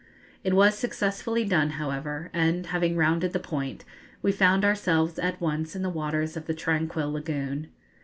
It was successfully done, however, and, having rounded the point, we found ourselves at once in the waters of the tranquil lagoon.